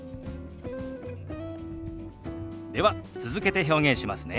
では続けて表現しますね。